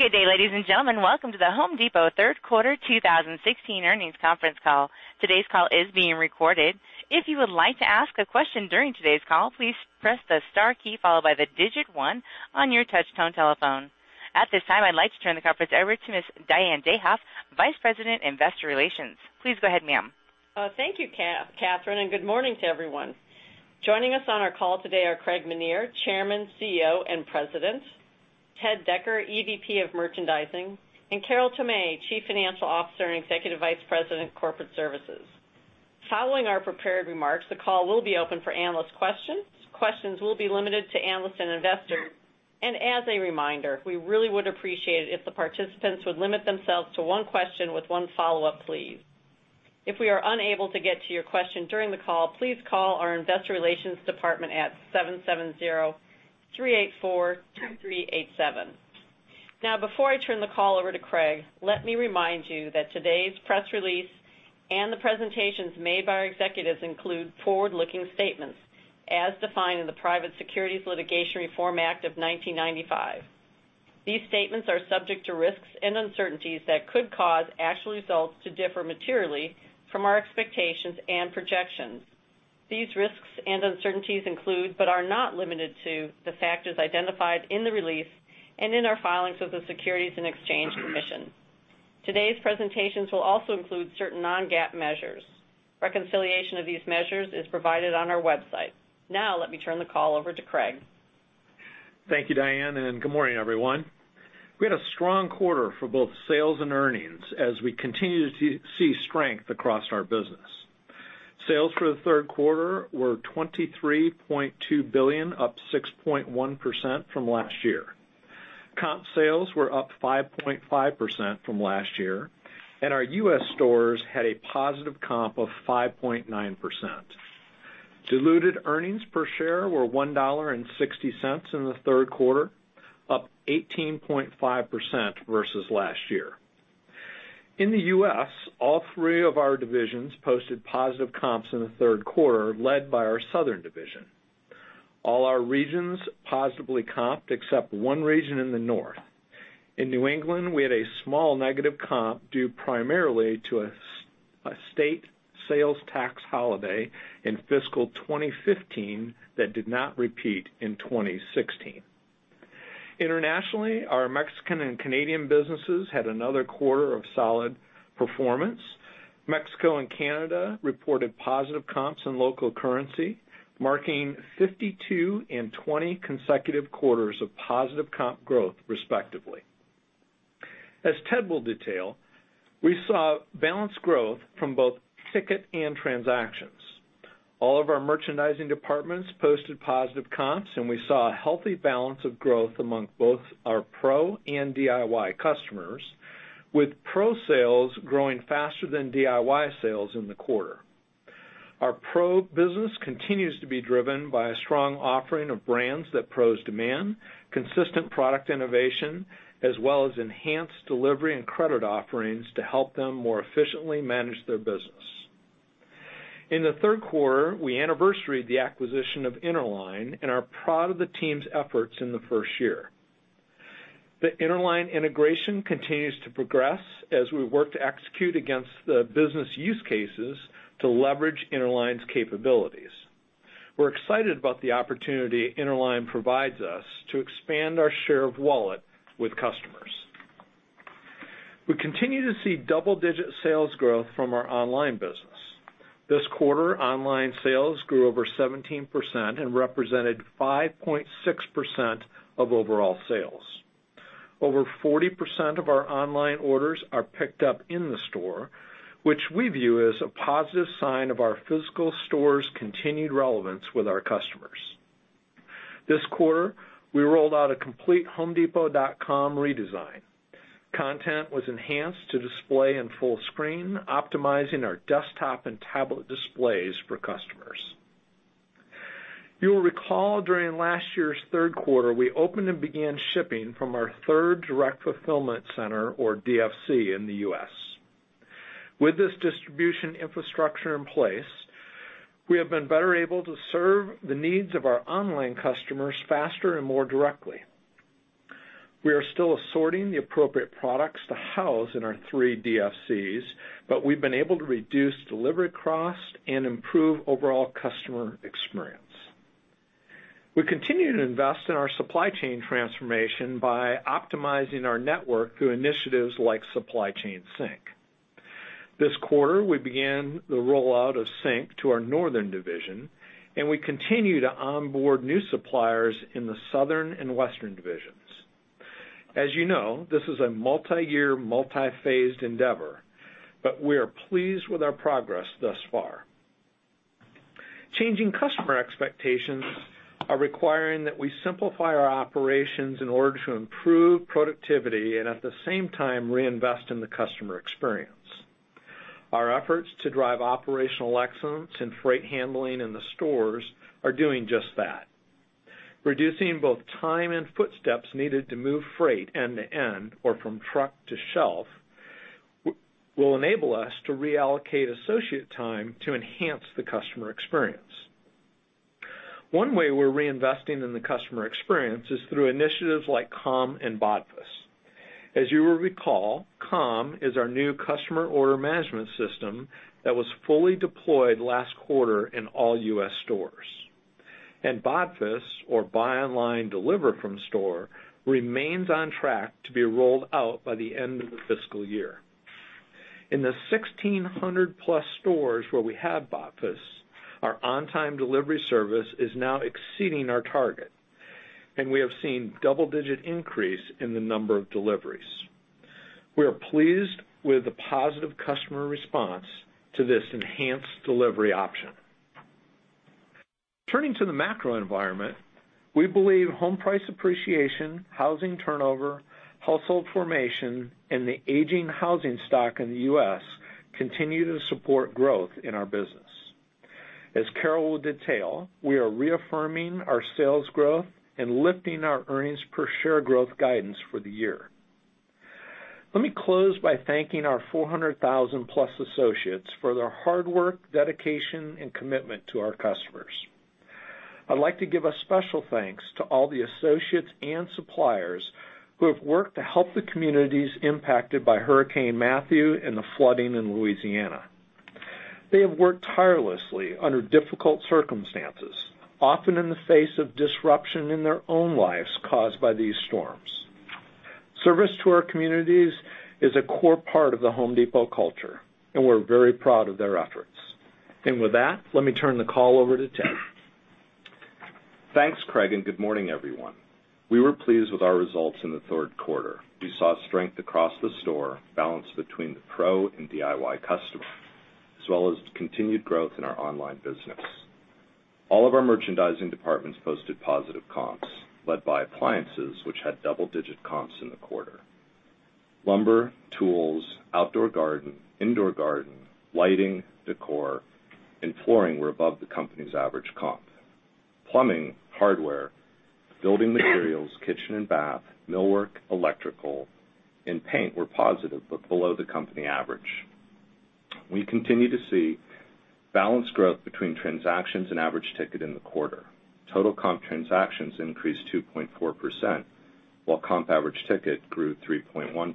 Good day, ladies and gentlemen. Welcome to The Home Depot third quarter 2016 earnings conference call. Today's call is being recorded. If you would like to ask a question during today's call, please press the star key followed by the digit 1 on your touch-tone telephone. At this time, I'd like to turn the conference over to Ms. Diane Dayhoff, vice president, investor relations. Please go ahead, ma'am. Thank you, Catherine, and good morning to everyone. Joining us on our call today are Craig Menear, chairman, CEO, and president, Ted Decker, EVP of Merchandising, and Carol Tomé, Chief Financial Officer and Executive Vice President, Corporate Services. Following our prepared remarks, the call will be open for analyst questions. Questions will be limited to analysts and investors, and as a reminder, we really would appreciate it if the participants would limit themselves to one question with one follow-up, please. If we are unable to get to your question during the call, please call our investor relations department at 770-384-2387. Before I turn the call over to Craig, let me remind you that today's press release and the presentations made by our executives include forward-looking statements as defined in the Private Securities Litigation Reform Act of 1995. These statements are subject to risks and uncertainties that could cause actual results to differ materially from our expectations and projections. These risks and uncertainties include, but are not limited to, the factors identified in the release and in our filings with the Securities and Exchange Commission. Today's presentations will also include certain non-GAAP measures. Reconciliation of these measures is provided on our website. Let me turn the call over to Craig. Thank you, Diane, and good morning, everyone. We had a strong quarter for both sales and earnings as we continue to see strength across our business. Sales for the third quarter were $23.2 billion, up 6.1% from last year. Comp sales were up 5.5% from last year, and our U.S. stores had a positive comp of 5.9%. Diluted earnings per share were $1.60 in the third quarter, up 18.5% versus last year. In the U.S., all three of our divisions posted positive comps in the third quarter, led by our southern division. All our regions positively comped except one region in the north. In New England, we had a small negative comp due primarily to a state sales tax holiday in fiscal 2015 that did not repeat in 2016. Internationally, our Mexican and Canadian businesses had another quarter of solid performance. Mexico and Canada reported positive comps in local currency, marking 52 and 20 consecutive quarters of positive comp growth respectively. As Ted will detail, we saw balanced growth from both ticket and transactions. All of our merchandising departments posted positive comps, and we saw a healthy balance of growth among both our pro and DIY customers, with pro sales growing faster than DIY sales in the quarter. Our pro business continues to be driven by a strong offering of brands that pros demand, consistent product innovation, as well as enhanced delivery and credit offerings to help them more efficiently manage their business. In the third quarter, we anniversaried the acquisition of Interline and are proud of the team's efforts in the first year. The Interline integration continues to progress as we work to execute against the business use cases to leverage Interline's capabilities. We're excited about the opportunity Interline provides us to expand our share of wallet with customers. We continue to see double-digit sales growth from our online business. This quarter, online sales grew over 17% and represented 5.6% of overall sales. Over 40% of our online orders are picked up in the store, which we view as a positive sign of our physical stores' continued relevance with our customers. This quarter, we rolled out a complete homedepot.com redesign. Content was enhanced to display in full screen, optimizing our desktop and tablet displays for customers. You will recall during last year's third quarter, we opened and began shipping from our third direct fulfillment center, or DFC, in the U.S. With this distribution infrastructure in place, we have been better able to serve the needs of our online customers faster and more directly. We are still assorting the appropriate products to house in our three DFCs, we've been able to reduce delivery costs and improve overall customer experience. We continue to invest in our supply chain transformation by optimizing our network through initiatives like Supply Chain Sync. This quarter, we began the rollout of Sync to our northern division, we continue to onboard new suppliers in the southern and western divisions. As you know, this is a multi-year, multi-phased endeavor, we are pleased with our progress thus far. Changing customer expectations are requiring that we simplify our operations in order to improve productivity and, at the same time, reinvest in the customer experience. Our efforts to drive operational excellence and freight handling in the stores are doing just that. Reducing both time and footsteps needed to move freight end to end or from truck to shelf will enable us to reallocate associate time to enhance the customer experience. One way we're reinvesting in the customer experience is through initiatives like COM and BODFS. As you will recall, COM is our new customer order management system that was fully deployed last quarter in all U.S. stores. BODFS, or Buy Online Deliver From Store, remains on track to be rolled out by the end of the fiscal year. In the 1,600-plus stores where we have BODFS, our on-time delivery service is now exceeding our target, and we have seen double-digit increase in the number of deliveries. We are pleased with the positive customer response to this enhanced delivery option. Turning to the macro environment, we believe home price appreciation, housing turnover, household formation, and the aging housing stock in the U.S. continue to support growth in our business. As Carol will detail, we are reaffirming our sales growth and lifting our earnings per share growth guidance for the year. Let me close by thanking our 400,000-plus associates for their hard work, dedication, and commitment to our customers. I'd like to give a special thanks to all the associates and suppliers who have worked to help the communities impacted by Hurricane Matthew and the flooding in Louisiana. They have worked tirelessly under difficult circumstances, often in the face of disruption in their own lives caused by these storms. Service to our communities is a core part of The Home Depot culture, and we're very proud of their efforts. With that, let me turn the call over to Ted. Thanks, Craig. Good morning, everyone. We were pleased with our results in the third quarter. We saw strength across the store balanced between the pro and DIY customer, as well as continued growth in our online business. All of our merchandising departments posted positive comps led by appliances, which had double-digit comps in the quarter. Lumber, tools, outdoor garden, indoor garden, lighting, decor, and flooring were above the company's average comp. Plumbing, hardware, building materials, kitchen and bath, millwork, electrical, and paint were positive, but below the company average. We continue to see balanced growth between transactions and average ticket in the quarter. Total comp transactions increased 2.4%, while comp average ticket grew 3.1%.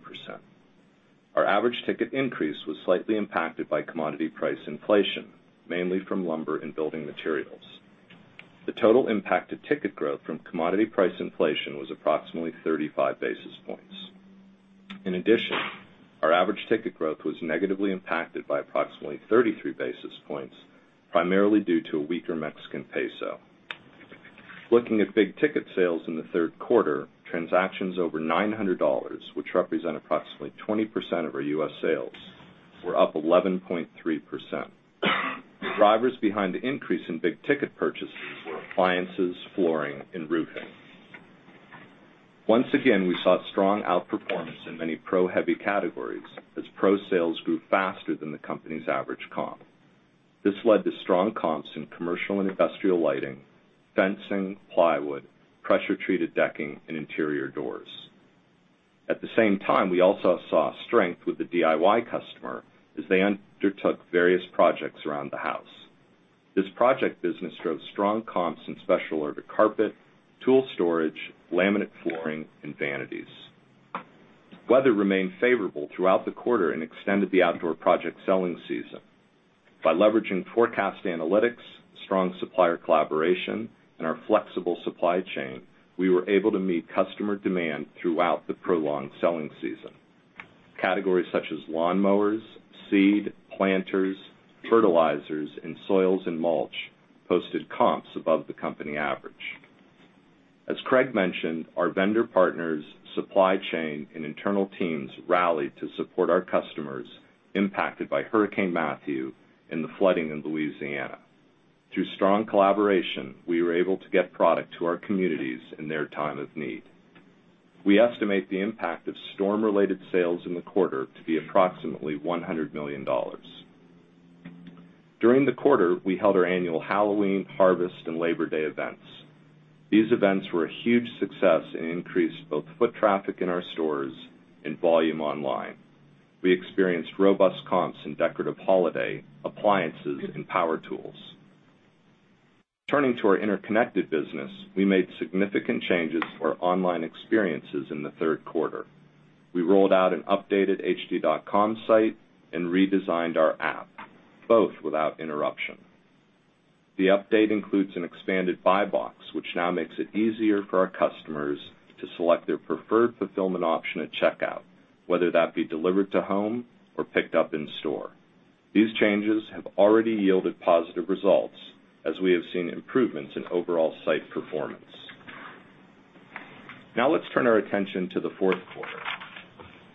Our average ticket increase was slightly impacted by commodity price inflation, mainly from lumber and building materials. The total impact to ticket growth from commodity price inflation was approximately 35 basis points. In addition, our average ticket growth was negatively impacted by approximately 33 basis points, primarily due to a weaker Mexican peso. Looking at big ticket sales in the third quarter, transactions over $900, which represent approximately 20% of our U.S. sales, were up 11.3%. The drivers behind the increase in big ticket purchases were appliances, flooring, and roofing. Once again, we saw strong outperformance in many pro-heavy categories as pro sales grew faster than the company's average comp. This led to strong comps in commercial and industrial lighting, fencing, plywood, pressure treated decking, and interior doors. At the same time, we also saw strength with the DIY customer as they undertook various projects around the house. This project business drove strong comps in special order carpet, tool storage, laminate flooring, and vanities. Weather remained favorable throughout the quarter and extended the outdoor project selling season. By leveraging forecast analytics, strong supplier collaboration, and our flexible supply chain, we were able to meet customer demand throughout the prolonged selling season. Categories such as lawnmowers, seed, planters, fertilizers, and soils and mulch posted comps above the company average. As Craig mentioned, our vendor partners, supply chain, and internal teams rallied to support our customers impacted by Hurricane Matthew and the flooding in Louisiana. Through strong collaboration, we were able to get product to our communities in their time of need. We estimate the impact of storm-related sales in the quarter to be approximately $100 million. During the quarter, we held our annual Halloween, Harvest, and Labor Day events. These events were a huge success and increased both foot traffic in our stores and volume online. We experienced robust comps in decorative holiday, appliances, and power tools. Turning to our interconnected business, we made significant changes to our online experiences in the third quarter. We rolled out an updated hd.com site and redesigned our app, both without interruption. The update includes an expanded buy box, which now makes it easier for our customers to select their preferred fulfillment option at checkout, whether that be delivered to home or picked up in store. These changes have already yielded positive results as we have seen improvements in overall site performance. Now let's turn our attention to the fourth quarter.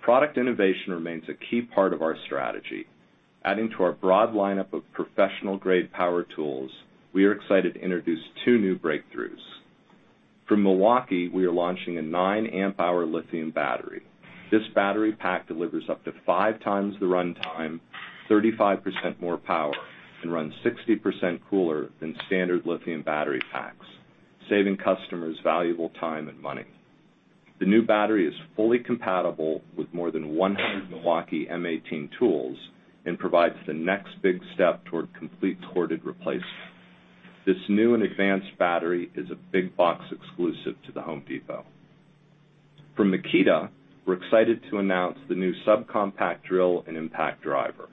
Product innovation remains a key part of our strategy. Adding to our broad lineup of professional-grade power tools, we are excited to introduce two new breakthroughs. From Milwaukee, we are launching a nine amp hour lithium battery. This battery pack delivers up to five times the runtime, 35% more power, and runs 60% cooler than standard lithium battery packs, saving customers valuable time and money. The new battery is fully compatible with more than 100 Milwaukee M18 tools and provides the next big step toward complete corded replacement. This new and advanced battery is a big box exclusive to The Home Depot. From Makita, we're excited to announce the new subcompact drill and impact driver.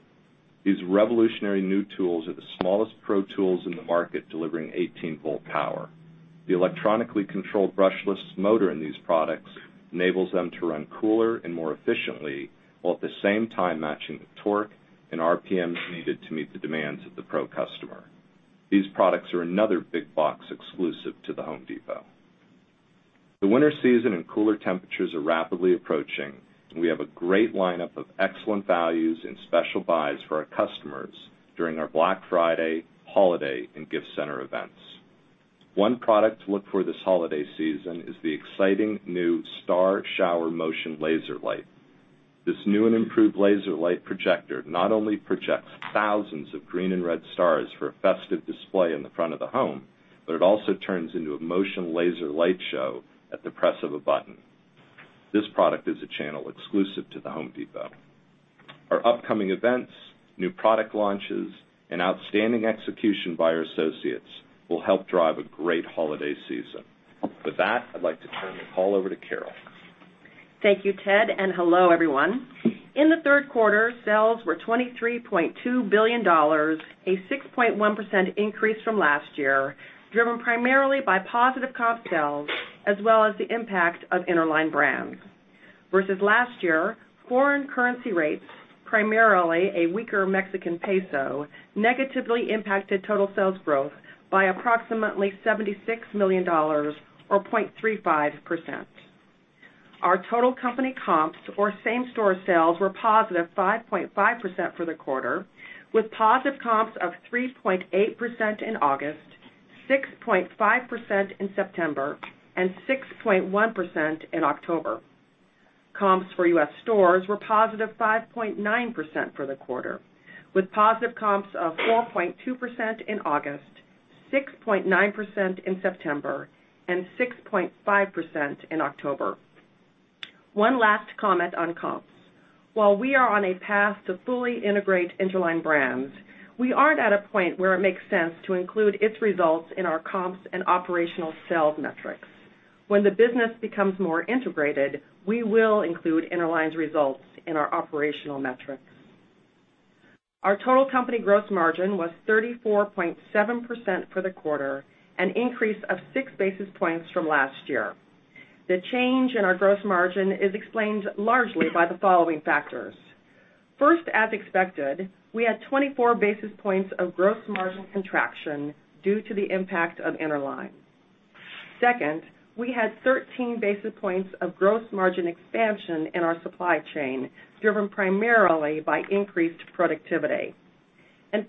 These revolutionary new tools are the smallest pro tools in the market, delivering 18-volt power. The electronically controlled brushless motor in these products enables them to run cooler and more efficiently, while at the same time matching the torque and RPMs needed to meet the demands of the pro customer. These products are another big box exclusive to The Home Depot. The winter season and cooler temperatures are rapidly approaching, and we have a great lineup of excellent values and special buys for our customers during our Black Friday, holiday, and gift center events. One product to look for this holiday season is the exciting new Star Shower Motion laser light. This new and improved laser light projector not only projects thousands of green and red stars for a festive display in the front of the home, but it also turns into a motion laser light show at the press of a button. This product is a channel exclusive to The Home Depot. Our upcoming events, new product launches, and outstanding execution by our associates will help drive a great holiday season. With that, I'd like to turn the call over to Carol. Thank you, Ted, and hello, everyone. In the third quarter, sales were $23.2 billion, a 6.1% increase from last year, driven primarily by positive comp sales as well as the impact of Interline Brands. Versus last year, foreign currency rates, primarily a weaker Mexican peso, negatively impacted total sales growth by approximately $76 million, or 0.35%. Our total company comps or same-store sales were positive 5.5% for the quarter, with positive comps of 3.8% in August, 6.5% in September, and 6.1% in October. Comps for U.S. stores were positive 5.9% for the quarter, with positive comps of 4.2% in August, 6.9% in September, and 6.5% in October. One last comment on comps. While we are on a path to fully integrate Interline Brands, we aren't at a point where it makes sense to include its results in our comps and operational sales metrics. When the business becomes more integrated, we will include Interline's results in our operational metrics. Our total company gross margin was 34.7% for the quarter, an increase of six basis points from last year. The change in our gross margin is explained largely by the following factors. First, as expected, we had 24 basis points of gross margin contraction due to the impact of Interline. Second, we had 13 basis points of gross margin expansion in our supply chain, driven primarily by increased productivity.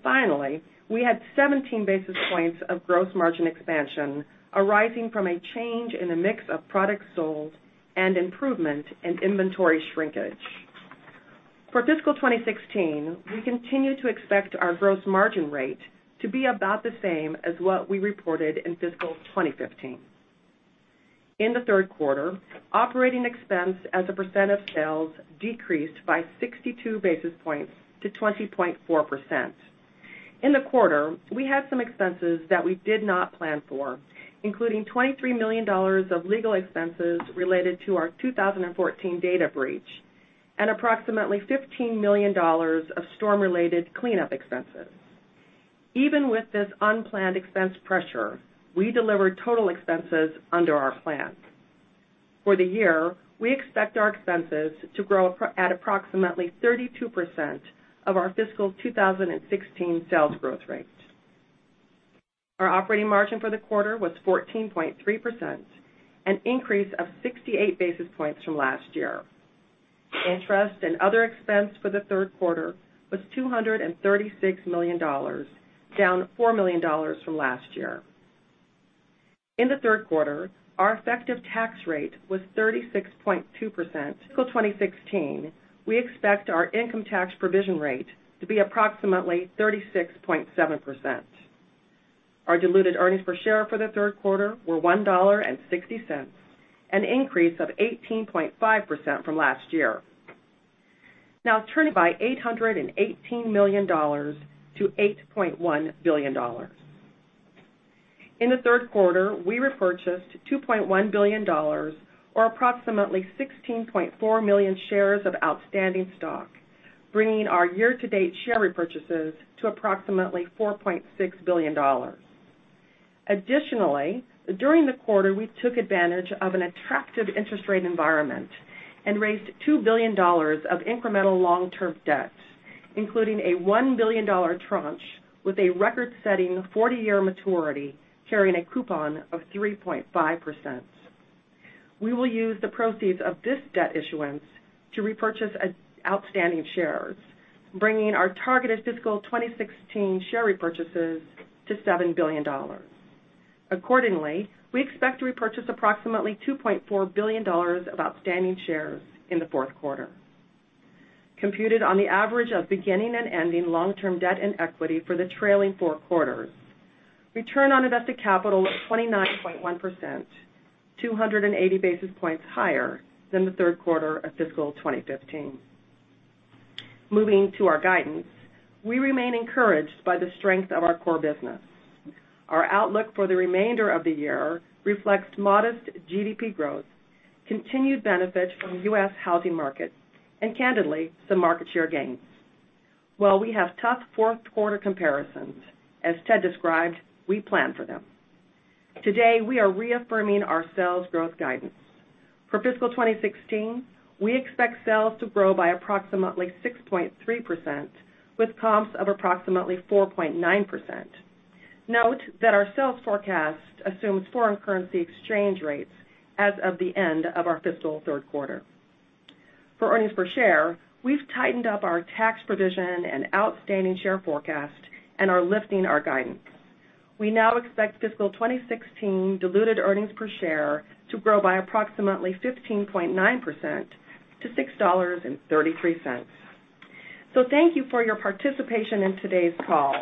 Finally, we had 17 basis points of gross margin expansion arising from a change in the mix of products sold and improvement in inventory shrinkage. For fiscal 2016, we continue to expect our gross margin rate to be about the same as what we reported in fiscal 2015. In the third quarter, operating expense as a percent of sales decreased by 62 basis points to 20.4%. In the quarter, we had some expenses that we did not plan for, including $23 million of legal expenses related to our 2014 data breach and approximately $15 million of storm-related cleanup expenses. Even with this unplanned expense pressure, we delivered total expenses under our plan. For the year, we expect our expenses to grow at approximately 32% of our fiscal 2016 sales growth rate. Our operating margin for the quarter was 14.3%, an increase of 68 basis points from last year. Interest and other expense for the third quarter was $236 million, down $4 million from last year. In the third quarter, our effective tax rate was 36.2%. For fiscal 2016, we expect our income tax provision rate to be approximately 36.7%. Our diluted earnings per share for the third quarter were $1.60, an increase of 18.5% from last year. Now turning by $818 million to $8.1 billion. In the third quarter, we repurchased $2.1 billion or approximately 16.4 million shares of outstanding stock, bringing our year-to-date share repurchases to approximately $4.6 billion. Additionally, during the quarter, we took advantage of an attractive interest rate environment and raised $2 billion of incremental long-term debt, including a $1 billion tranche with a record-setting 40-year maturity, carrying a coupon of 3.5%. We will use the proceeds of this debt issuance to repurchase outstanding shares, bringing our targeted fiscal 2016 share repurchases to $7 billion. Accordingly, we expect to repurchase approximately $2.4 billion of outstanding shares in the fourth quarter. computed on the average of beginning and ending long-term debt and equity for the trailing four quarters. Return on invested capital of 29.1%, 280 basis points higher than the third quarter of fiscal 2015. Moving to our guidance. We remain encouraged by the strength of our core business. Our outlook for the remainder of the year reflects modest GDP growth, continued benefit from the U.S. housing market, and candidly, some market share gains. While we have tough fourth-quarter comparisons, as Ted described, we plan for them. Today, we are reaffirming our sales growth guidance. For fiscal 2016, we expect sales to grow by approximately 6.3%, with comps of approximately 4.9%. Note that our sales forecast assumes foreign currency exchange rates as of the end of our fiscal third quarter. For earnings per share, we've tightened up our tax provision and outstanding share forecast and are lifting our guidance. We now expect fiscal 2016 diluted earnings per share to grow by approximately 15.9% to $6.33. Thank you for your participation in today's call.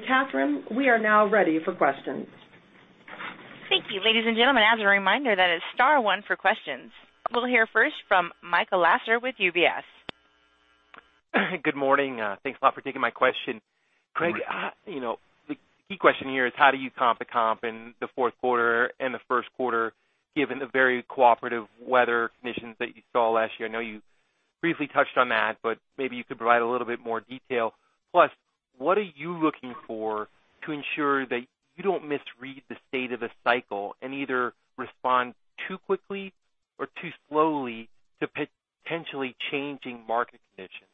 Catherine, we are now ready for questions. Thank you. Ladies and gentlemen, as a reminder, that is star one for questions. We'll hear first from Michael Lasser with UBS. Good morning. Thanks a lot for taking my question. Good morning. Craig, the key question here is how do you comp the comp in the fourth quarter and the first quarter, given the very cooperative weather conditions that you saw last year? I know you briefly touched on that, but maybe you could provide a little bit more detail. Plus, what are you looking for to ensure that you don't misread the state of the cycle and either respond too quickly or too slowly to potentially changing market conditions?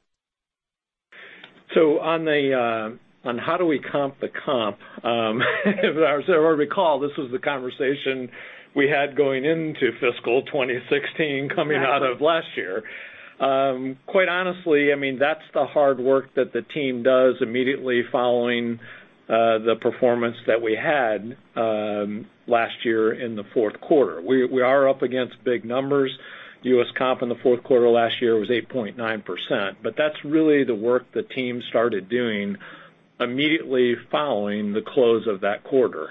On how do we comp the comp as I recall, this was the conversation we had going into fiscal 2016 coming out of last year. Quite honestly, that's the hard work that the team does immediately following the performance that we had last year in the fourth quarter. We are up against big numbers. U.S. comp in the fourth quarter last year was 8.9%, but that's really the work the team started doing immediately following the close of that quarter.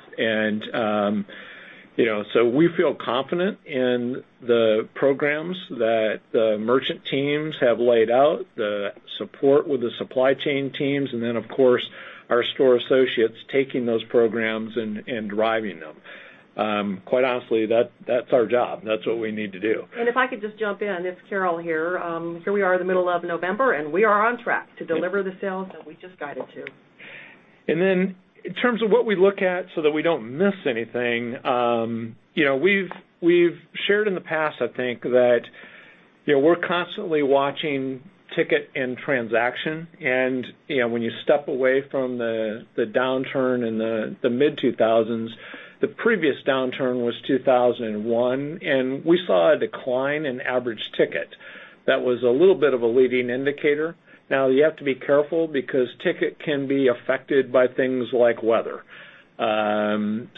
We feel confident in the programs that the merchant teams have laid out, the support with the Supply Chain teams, and then, of course, our store associates taking those programs and driving them. Quite honestly, that's our job. That's what we need to do. If I could just jump in, it's Carol here. Here we are in the middle of November, and we are on track to deliver the sales that we just guided to. In terms of what we look at so that we don't miss anything, we've shared in the past, I think, that we're constantly watching ticket and transaction. When you step away from the downturn in the mid-2000s, the previous downturn was 2001, we saw a decline in average ticket. That was a little bit of a leading indicator. You have to be careful because ticket can be affected by things like weather. When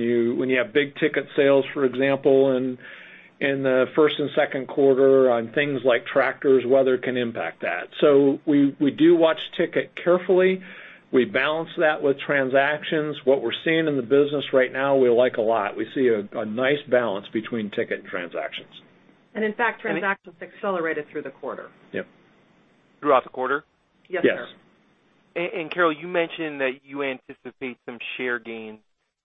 you have big ticket sales, for example, in the first and second quarter on things like tractors, weather can impact that. We do watch ticket carefully. We balance that with transactions. What we're seeing in the business right now, we like a lot. We see a nice balance between ticket and transactions. In fact, transactions accelerated through the quarter. Yep. Throughout the quarter? Yes. Carol, you mentioned that you anticipate some share gains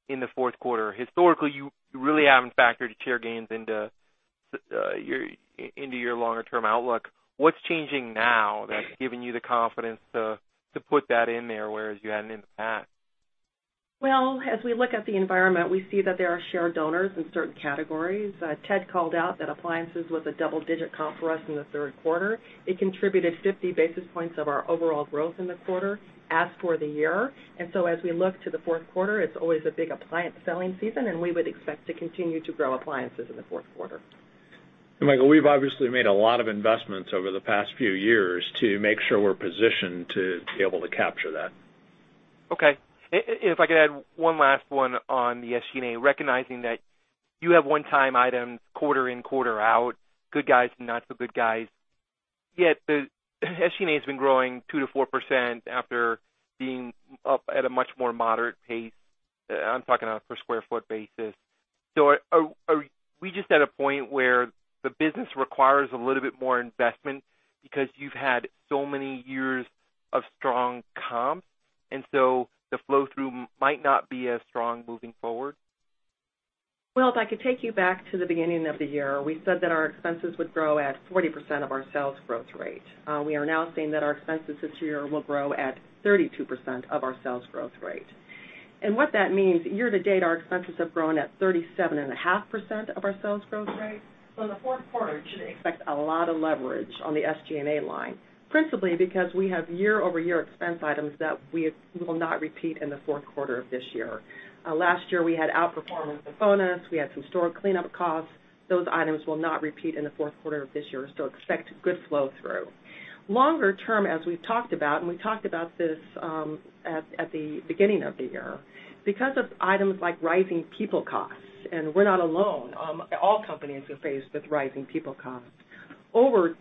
in the fourth quarter. Historically, you really haven't factored share gains into your longer-term outlook. What's changing now that's giving you the confidence to put that in there, whereas you hadn't in the past? As we look at the environment, we see that there are share donors in certain categories. Ted called out that appliances was a double-digit comp for us in the third quarter. It contributed 50 basis points of our overall growth in the quarter, as for the year. As we look to the fourth quarter, it's always a big appliance selling season, we would expect to continue to grow appliances in the fourth quarter. Michael, we've obviously made a lot of investments over the past few years to make sure we're positioned to be able to capture that. Okay. If I could add one last one on the SG&A, recognizing that you have one-time items quarter in, quarter out, good guys, not so good guys, yet the SG&A has been growing 2%-4% after being up at a much more moderate pace. I'm talking on a per square foot basis. Are we just at a point where the business requires a little bit more investment because you've had so many years of strong comps and the flow through might not be as strong moving forward? If I could take you back to the beginning of the year, we said that our expenses would grow at 40% of our sales growth rate. We are now seeing that our expenses this year will grow at 32% of our sales growth rate. What that means, year to date, our expenses have grown at 37.5% of our sales growth rate. In the fourth quarter, you should expect a lot of leverage on the SG&A line, principally because we have year-over-year expense items that we will not repeat in the fourth quarter of this year. Last year, we had outperformance of bonus. We had some store cleanup costs. Those items will not repeat in the fourth quarter of this year, expect good flow through. Longer term, as we've talked about, we talked about this at the beginning of the year, because of items like rising people costs, and we're not alone, all companies are faced with rising people costs. Over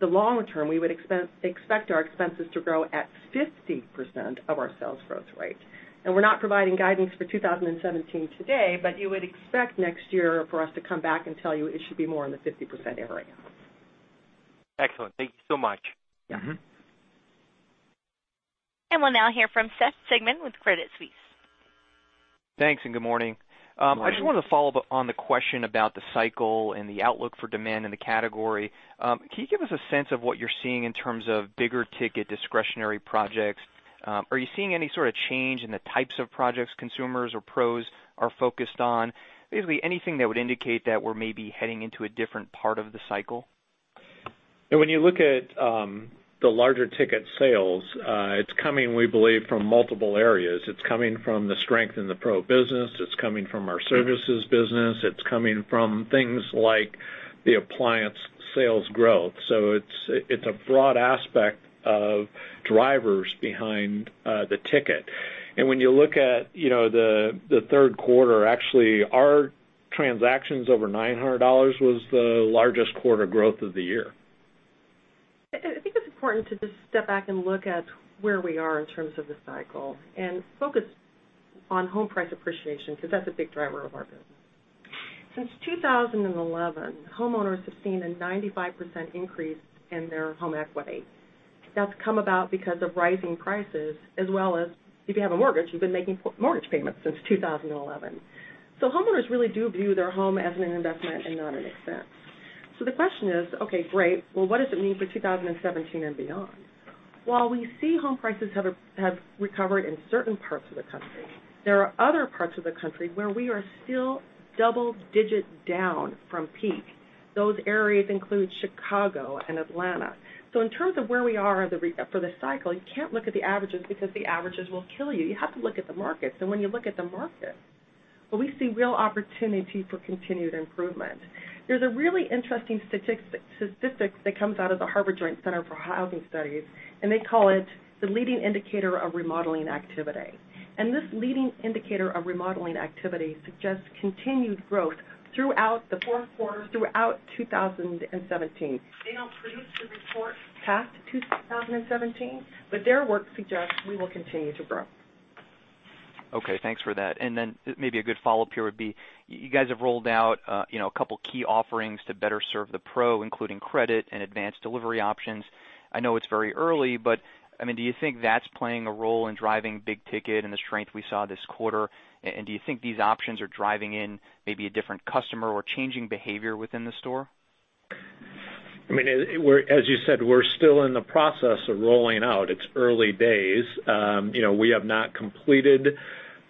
the longer term, we would expect our expenses to grow at 50% of our sales growth rate. We're not providing guidance for 2017 today, but you would expect next year for us to come back and tell you it should be more in the 50% area. Excellent. Thank you so much. Yeah. Mm-hmm. We'll now hear from Seth Sigman with Credit Suisse. Thanks, good morning. Morning. I just wanted to follow up on the question about the cycle and the outlook for demand in the category. Can you give us a sense of what you're seeing in terms of bigger ticket discretionary projects? Are you seeing any sort of change in the types of projects consumers or pros are focused on? Basically, anything that would indicate that we're maybe heading into a different part of the cycle. When you look at the larger ticket sales, it's coming, we believe, from multiple areas. It's coming from the strength in the pro business. It's coming from our services business. It's coming from things like the appliance sales growth. It's a broad aspect of drivers behind the ticket. When you look at the third quarter, actually, our transactions over $900 was the largest quarter growth of the year. I think it's important to just step back and look at where we are in terms of the cycle and focus on home price appreciation, because that's a big driver of our business. Since 2011, homeowners have seen a 95% increase in their home equity. That's come about because of rising prices, as well as if you have a mortgage, you've been making mortgage payments since 2011. Homeowners really do view their home as an investment and not an expense. The question is, okay, great. Well, what does it mean for 2017 and beyond? While we see home prices have recovered in certain parts of the country, there are other parts of the country where we are still double-digit down from peak. Those areas include Chicago and Atlanta. In terms of where we are for the cycle, you can't look at the averages because the averages will kill you. You have to look at the markets. When you look at the markets, we see real opportunity for continued improvement. There's a really interesting statistic that comes out of the Harvard Joint Center for Housing Studies, and they call it the leading indicator of remodeling activity. This leading indicator of remodeling activity suggests continued growth throughout the fourth quarter, throughout 2017. They don't produce the report past 2017, but their work suggests we will continue to grow. Okay, thanks for that. Then maybe a good follow-up here would be, you guys have rolled out a couple key offerings to better serve the pro, including credit and advanced delivery options. I know it's very early, but do you think that's playing a role in driving big ticket and the strength we saw this quarter? Do you think these options are driving in maybe a different customer or changing behavior within the store? As you said, we're still in the process of rolling out. It's early days. We have not completed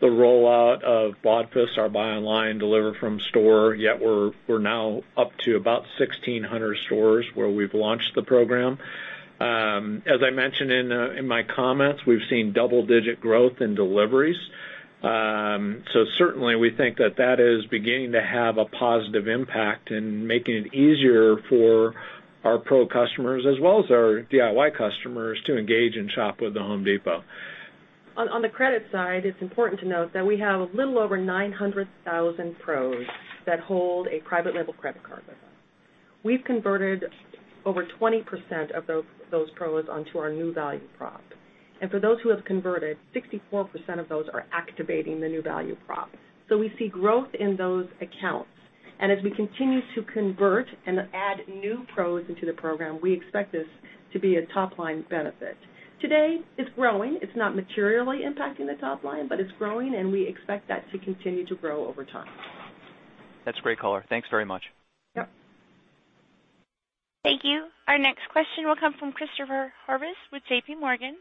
the rollout of BODFS, our Buy Online, Deliver From Store, yet we're now up to about 1,600 stores where we've launched the program. As I mentioned in my comments, we've seen double-digit growth in deliveries. Certainly, we think that that is beginning to have a positive impact in making it easier for our pro customers as well as our DIY customers to engage and shop with The Home Depot. On the credit side, it's important to note that we have a little over 900,000 pros that hold a private label credit card with us. We've converted over 20% of those pros onto our new value prop. For those who have converted, 64% of those are activating the new value prop. We see growth in those accounts. As we continue to convert and add new pros into the program, we expect this to be a top-line benefit. Today, it's growing. It's not materially impacting the top line, it's growing, and we expect that to continue to grow over time. That's great color. Thanks very much. Yep. Thank you. Our next question will come from Christopher Horvers with J.P. Morgan.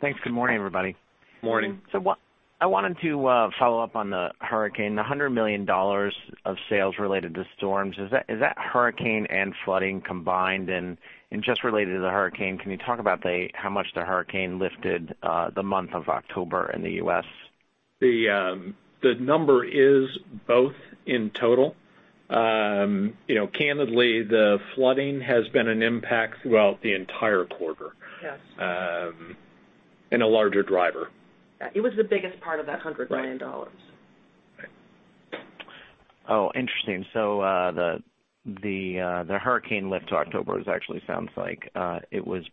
Thanks. Good morning, everybody. Morning. I wanted to follow up on the hurricane. The $100 million of sales related to storms, is that hurricane and flooding combined? And just related to the hurricane, can you talk about how much the hurricane lifted the month of October in the U.S.? The number is both in total. Candidly, the flooding has been an impact throughout the entire quarter. Yes. A larger driver. It was the biggest part of that $100 million. Interesting. The Hurricane lift to October actually sounds like it was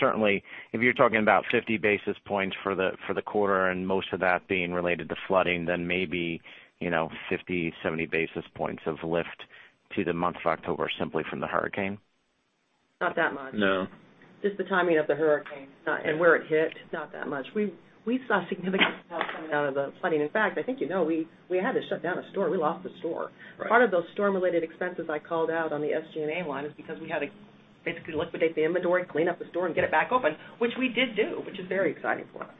certainly, if you're talking about 50 basis points for the quarter and most of that being related to flooding, then maybe 50, 70 basis points of lift to the month of October simply from the Hurricane. Not that much. No. Just the timing of the hurricane and where it hit, not that much. We saw significant coming out of the flooding. In fact, I think you know, we had to shut down a store. We lost a store. Right. Part of those storm-related expenses I called out on the SG&A line is because we had to basically liquidate the inventory, clean up the store, and get it back open, which we did do, which is very exciting for us.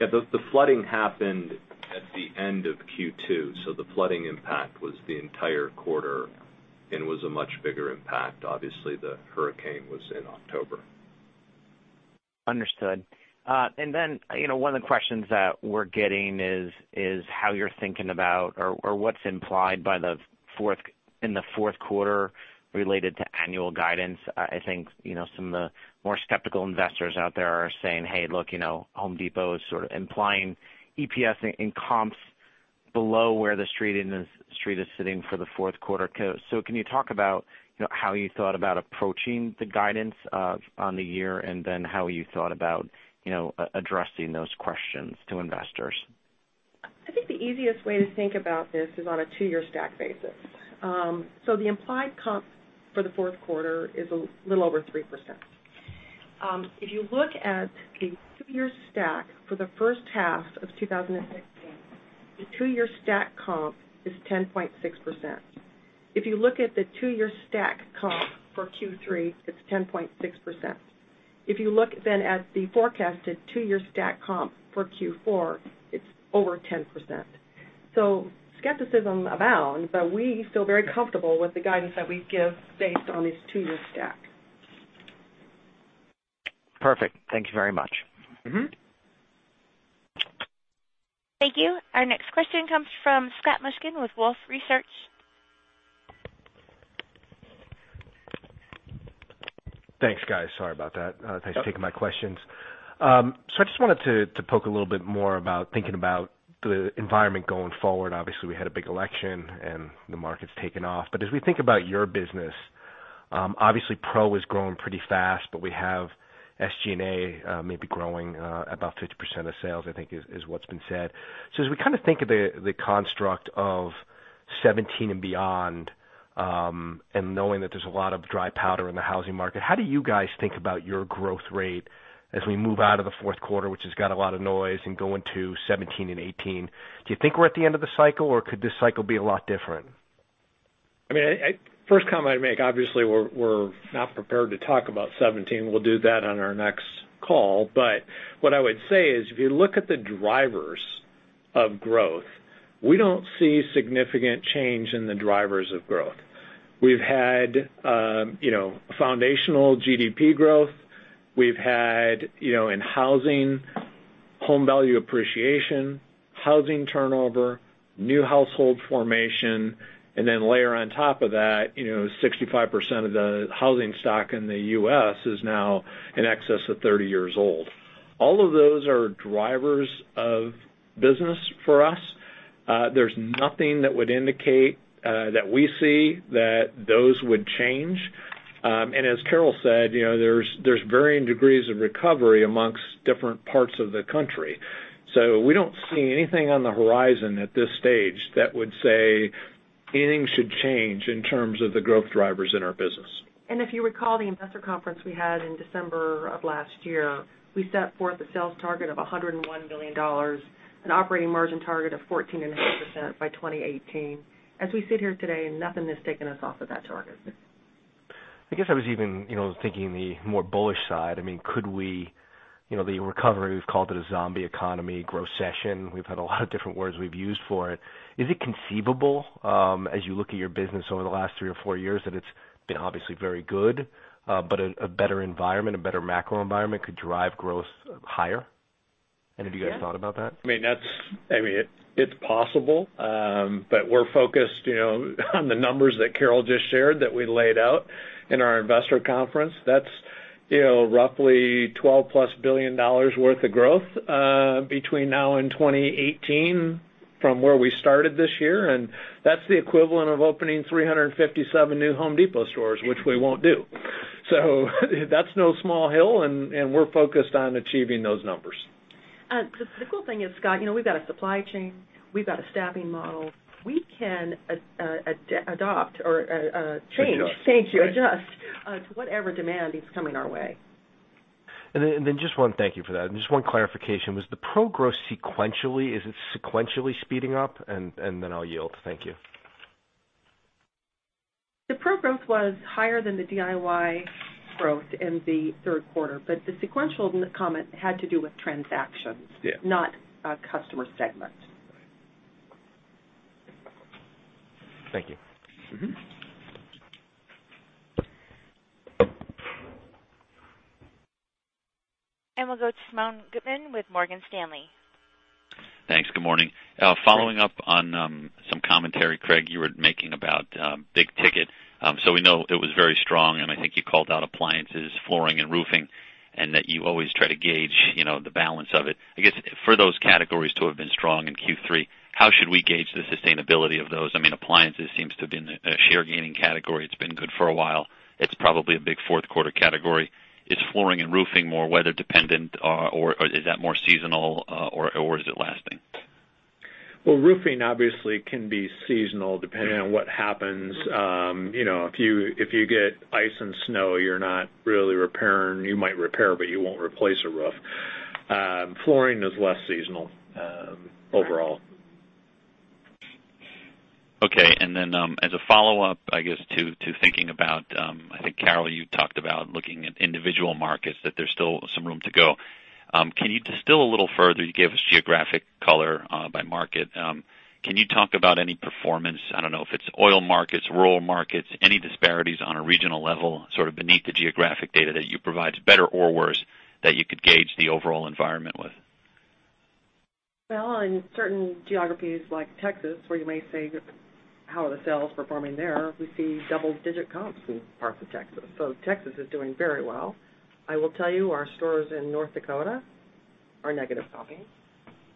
Yeah, the flooding happened at the end of Q2, so the flooding impact was the entire quarter and was a much bigger impact. Obviously, the hurricane was in October. Understood. One of the questions that we're getting is how you're thinking about or what's implied in the fourth quarter related to annual guidance. I think, some of the more skeptical investors out there are saying, "Hey, look, The Home Depot is sort of implying EPS and comps below where the Street is sitting for the fourth quarter." Can you talk about how you thought about approaching the guidance on the year and then how you thought about addressing those questions to investors? I think the easiest way to think about this is on a two-year stack basis. The implied comp for the fourth quarter is a little over 3%. If you look at the two-year stack for the first half of 2016, the two-year stack comp is 10.6%. If you look at the two-year stack comp for Q3, it's 10.6%. If you look at the forecasted two-year stack comp for Q4, it's over 10%. Skepticism abounds, but we feel very comfortable with the guidance that we give based on this two-year stack. Perfect. Thank you very much. Thank you. Our next question comes from Scott Mushkin with Wolfe Research. Thanks, guys. Sorry about that. Thanks for taking my questions. I just wanted to poke a little bit more about thinking about the environment going forward. Obviously, we had a big election and the market's taken off. As we think about your business, obviously pro is growing pretty fast, but we have SG&A maybe growing about 50% of sales, I think is what's been said. As we think of the construct of 2017 and beyond, and knowing that there's a lot of dry powder in the housing market, how do you guys think about your growth rate as we move out of the fourth quarter, which has got a lot of noise, and go into 2017 and 2018? Do you think we're at the end of the cycle, or could this cycle be a lot different? First comment I'd make, obviously, we're not prepared to talk about 2017. We'll do that on our next call. What I would say is, if you look at the drivers of growth, we don't see significant change in the drivers of growth. We've had foundational GDP growth. We've had, in housing, home value appreciation, housing turnover, new household formation, and then layer on top of that, 65% of the housing stock in the U.S. is now in excess of 30 years old. All of those are drivers of business for us. There's nothing that would indicate that we see that those would change. As Carol said, there's varying degrees of recovery amongst different parts of the country. We don't see anything on the horizon at this stage that would say anything should change in terms of the growth drivers in our business. If you recall, the investor conference we had in December of last year, we set forth a sales target of $101 billion, an operating margin target of 14.5% by 2018. As we sit here today, nothing has taken us off of that target. I guess I was even thinking the more bullish side, the recovery, we've called it a zombie economy, grow session. We've had a lot of different words we've used for it. Is it conceivable, as you look at your business over the last three or four years, that it's been obviously very good, but a better environment, a better macro environment could drive growth higher? Any of you guys thought about that? It's possible. We're focused on the numbers that Carol just shared, that we laid out in our investor conference. That's roughly $12-plus billion worth of growth between now and 2018 from where we started this year. That's the equivalent of opening 357 new Home Depot stores, which we won't do. That's no small hill, and we're focused on achieving those numbers. The cool thing is, Scott, we've got a supply chain, we've got a staffing model. We can adopt or change. Adjust Thank you, adjust, to whatever demand is coming our way. Thank you for that. Just one clarification, was the pro growth sequentially, is it sequentially speeding up? Then I'll yield. Thank you. The pro growth was higher than the DIY growth in the third quarter, the sequential comment had to do with transactions. Yeah Not customer segment. Thank you. We'll go to Simeon Gutman with Morgan Stanley. Thanks. Good morning. Following up on some commentary, Craig, you were making about big ticket. We know it was very strong, and I think you called out appliances, flooring, and roofing, and that you always try to gauge the balance of it. I guess, for those categories to have been strong in Q3, how should we gauge the sustainability of those? Appliances seems to have been a share gaining category. It's been good for a while. It's probably a big fourth quarter category. Is flooring and roofing more weather dependent, or is that more seasonal, or is it lasting? Well, roofing obviously can be seasonal depending on what happens. If you get ice and snow, you're not really repairing. You might repair, but you won't replace a roof. Flooring is less seasonal overall. Okay. As a follow-up, I guess to thinking about, I think, Carol, you talked about looking at individual markets, that there's still some room to go. Can you distill a little further? You gave us geographic color by market. Can you talk about any performance? I don't know if it's oil markets, rural markets, any disparities on a regional level, sort of beneath the geographic data that you provide, better or worse, that you could gauge the overall environment with? Well, in certain geographies like Texas, where you may say, "How are the sales performing there?" We see double-digit comps in parts of Texas. Texas is doing very well. I will tell you, our stores in North Dakota are negative comping.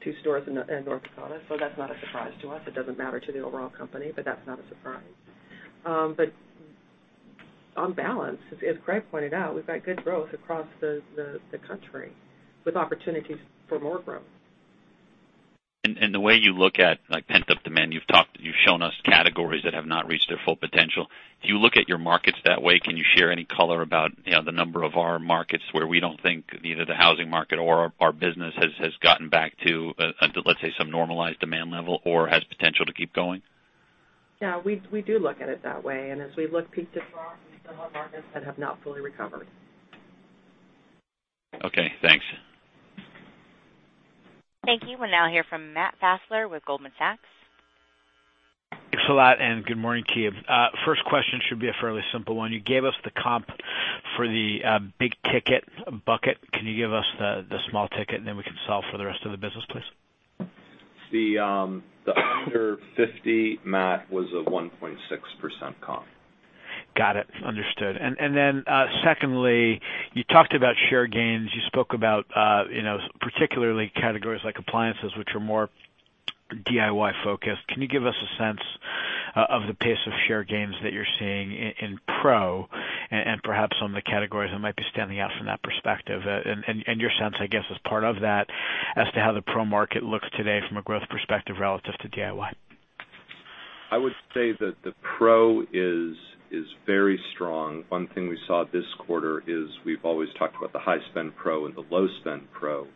Two stores in North Dakota. That's not a surprise to us. It doesn't matter to the overall company, but that's not a surprise. On balance, as Craig pointed out, we've got good growth across the country with opportunities for more growth. The way you look at pent-up demand, you've shown us categories that have not reached their full potential. Do you look at your markets that way? Can you share any color about the number of our markets where we don't think either the housing market or our business has gotten back to, let's say, some normalized demand level or has potential to keep going? Yeah, we do look at it that way. As we look peak to trough, we still have markets that have not fully recovered. Okay, thanks. Thank you. We'll now hear from Matt Fassler with Goldman Sachs. Thanks a lot, good morning, Keith. First question should be a fairly simple one. You gave us the comp for the big-ticket bucket. Can you give us the small ticket, then we can solve for the rest of the business, please? The under 50, Matt, was a 1.6% comp. Got it. Understood. Then secondly, you talked about share gains. You spoke about particularly categories like appliances, which are more DIY-focused. Can you give us a sense of the pace of share gains that you're seeing in pro and perhaps on the categories that might be standing out from that perspective? Your sense, I guess, as part of that, as to how the pro market looks today from a growth perspective relative to DIY. I would say that the pro is very strong. One thing we saw this quarter is we've always talked about the high-spend pro and the low-spend pro.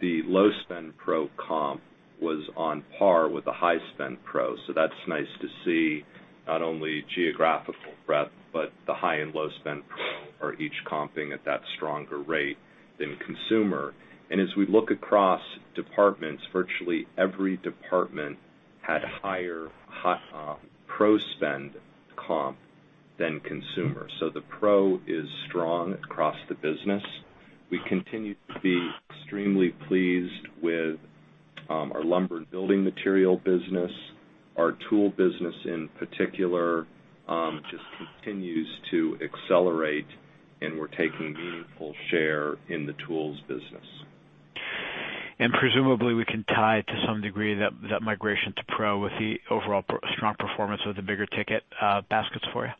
The low-spend pro comp was on par with the high-spend pro. That's nice to see not only geographical breadth, but the high and low spend pro are each comping at that stronger rate than consumer. As we look across departments, virtually every department had higher pro spend comp than consumer. The pro is strong across the business. We continue to be extremely pleased with our lumber and building material business. Our tool business in particular just continues to accelerate, and we're taking meaningful share in the tools business. Presumably, we can tie to some degree that migration to pro with the overall strong performance of the bigger ticket baskets for you.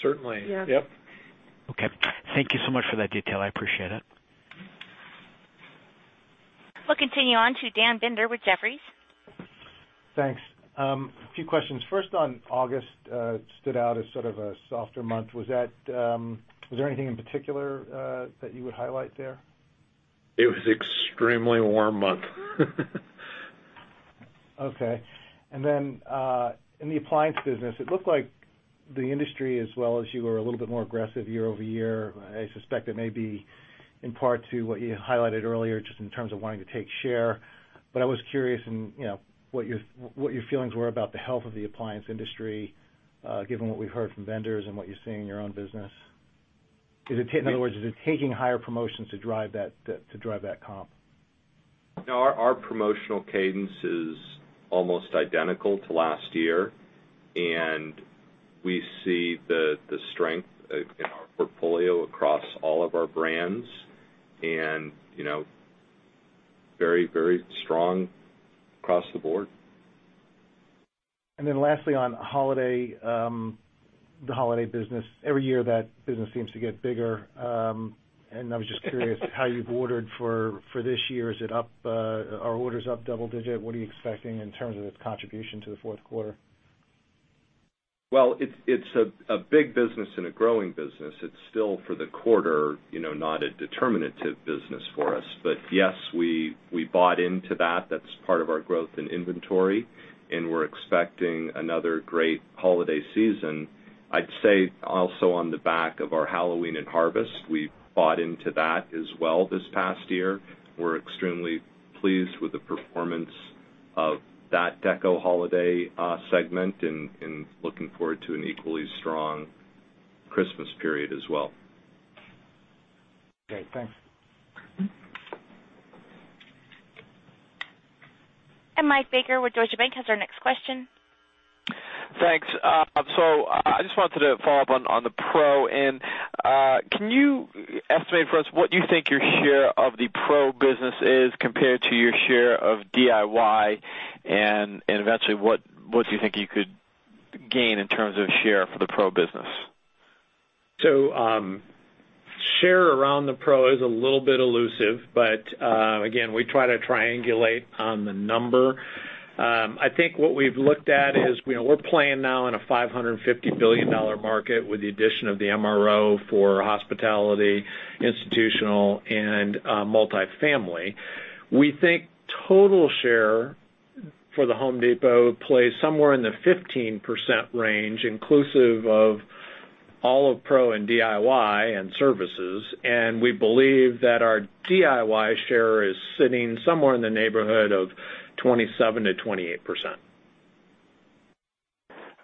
Certainly. Yes. Yep. Okay. Thank you so much for that detail. I appreciate it. We'll continue on to Dan Binder with Jefferies. Thanks. A few questions. First on August, stood out as sort of a softer month. Was there anything in particular that you would highlight there? It was extremely warm month. Okay. Then, in the appliance business, it looked like the industry, as well as you, were a little bit more aggressive year-over-year. I suspect it may be in part to what you highlighted earlier, just in terms of wanting to take share. I was curious what your feelings were about the health of the appliance industry, given what we've heard from vendors and what you're seeing in your own business. In other words, is it taking higher promotions to drive that comp? No, our promotional cadence is almost identical to last year, and we see the strength in our portfolio across all of our brands and very strong across the board. Then lastly, on the holiday business. Every year that business seems to get bigger. I was just curious how you've ordered for this year. Is it up? Are orders up double-digit? What are you expecting in terms of its contribution to the fourth quarter? Well, it's a big business and a growing business. It's still, for the quarter, not a determinative business for us. Yes, we bought into that. That's part of our growth in inventory, and we're expecting another great holiday season. I'd say also on the back of our Halloween and Harvest, we bought into that as well this past year. We're extremely pleased with the performance of that deco holiday segment and looking forward to an equally strong Christmas period as well. Okay, thanks. Mike Baker with Deutsche Bank has our next question. Thanks. I just wanted to follow up on the pro. Can you estimate for us what you think your share of the pro business is compared to your share of DIY? Eventually, what do you think you could gain in terms of share for the pro business? Share around the pro is a little bit elusive, but again, we try to triangulate on the number. I think what we've looked at is we're playing now in a $550 billion market with the addition of the MRO for hospitality, institutional, and multifamily. We think total share for The Home Depot plays somewhere in the 15% range, inclusive of all of pro and DIY and services. We believe that our DIY share is sitting somewhere in the neighborhood of 27%-28%.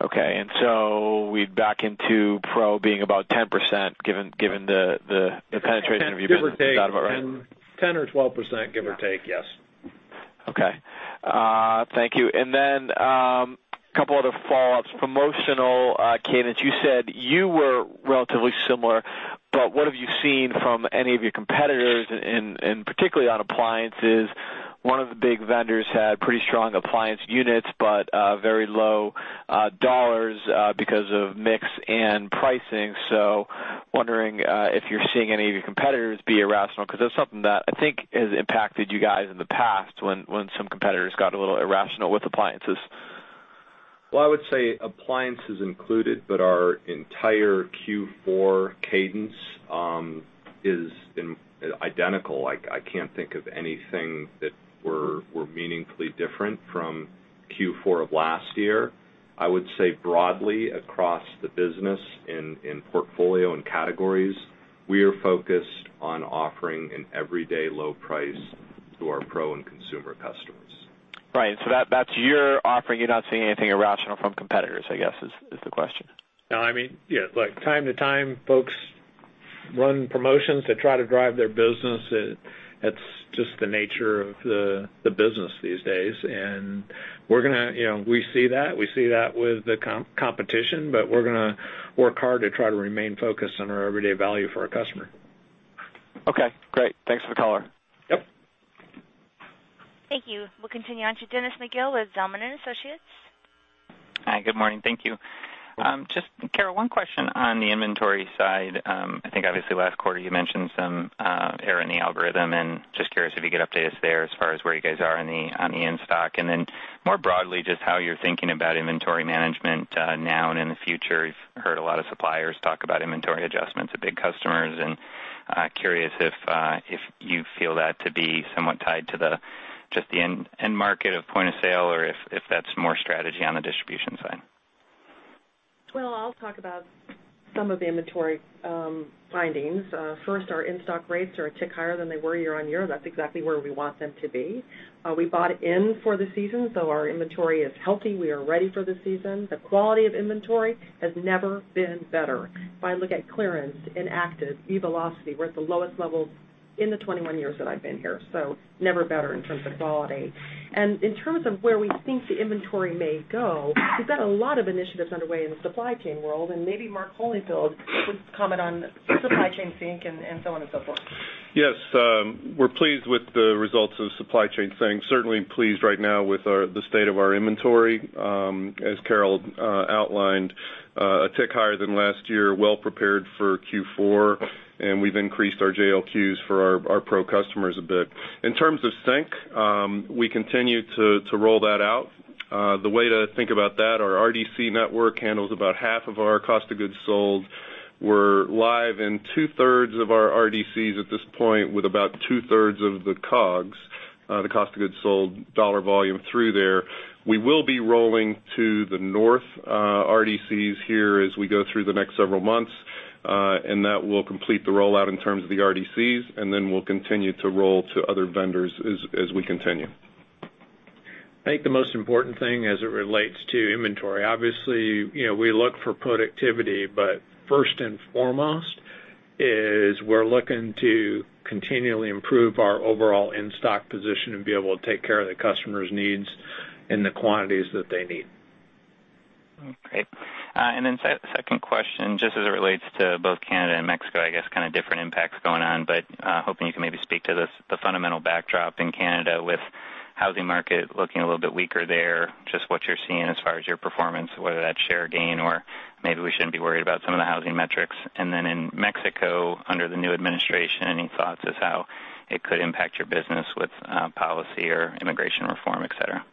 Okay. We back into pro being about 10%, given the penetration of your business. Is that about right? 10 or 12%, give or take. Yes. Okay. Thank you. Then, a couple other follow-ups. Promotional cadence. You said you were relatively similar, but what have you seen from any of your competitors? Particularly on appliances, one of the big vendors had pretty strong appliance units, but very low dollars because of mix and pricing. Wondering if you're seeing any of your competitors be irrational, because that's something that I think has impacted you guys in the past when some competitors got a little irrational with appliances. Well, I would say appliances included, but our entire Q4 cadence is identical. I can't think of anything that we're meaningfully different from Q4 of last year. I would say broadly across the business in portfolio and categories, we are focused on offering an everyday low price to our pro and consumer customers. Right. That's your offering. You're not seeing anything irrational from competitors, I guess, is the question. No, time to time, folks run promotions to try to drive their business. That's just the nature of the business these days. We see that with the competition, but we're going to work hard to try to remain focused on our everyday value for our customer. Okay, great. Thanks for the color. Yep. Thank you. We'll continue on to Dennis McGill with Zelman & Associates. Hi. Good morning. Thank you. Just, Carol, one question on the inventory side. I think obviously last quarter you mentioned some error in the algorithm, curious if you could update us there as far as where you guys are on the in-stock. More broadly, just how you're thinking about inventory management now and in the future. We've heard a lot of suppliers talk about inventory adjustments at big customers, curious if you feel that to be somewhat tied to just the end market of point of sale or if that's more strategy on the distribution side. I'll talk about some of the inventory findings. First, our in-stock rates are a tick higher than they were year-over-year. That's exactly where we want them to be. We bought in for the season, so our inventory is healthy. We are ready for the season. The quality of inventory has never been better. If I look at clearance, inactive, eVelocity, we're at the lowest levels in the 21 years that I've been here, so never better in terms of quality. In terms of where we think the inventory may go, we've got a lot of initiatives underway in the supply chain world, maybe Mark Holifield could comment on Supply Chain Sync and so on and so forth. Yes. We're pleased with the results of Supply Chain Sync. Certainly pleased right now with the state of our inventory. As Carol outlined, a tick higher than last year, well prepared for Q4. We've increased our JLQs for our pro customers a bit. In terms of Sync, we continue to roll that out. The way to think about that, our RDC network handles about half of our cost of goods sold. We're live in two-thirds of our RDCs at this point, with about two-thirds of the COGS, the cost of goods sold dollar volume through there. We will be rolling to the north RDCs here as we go through the next several months. That will complete the rollout in terms of the RDCs, then we'll continue to roll to other vendors as we continue. I think the most important thing as it relates to inventory, obviously, we look for productivity, but first and foremost is we're looking to continually improve our overall in-stock position and be able to take care of the customer's needs in the quantities that they need. Okay. Second question, just as it relates to both Canada and Mexico, I guess kind of different impacts going on, but hoping you can maybe speak to this, the fundamental backdrop in Canada with housing market looking a little bit weaker there, just what you're seeing as far as your performance, whether that's share gain or maybe we shouldn't be worried about some of the housing metrics. In Mexico, under the new administration, any thoughts as how it could impact your business with policy or immigration reform, et cetera?